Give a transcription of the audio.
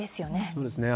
そうですね。